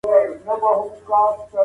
ستاسو کورته د دوستۍ لپاره راغلي يو.